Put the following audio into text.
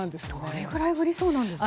どれぐらい降りそうなんですか？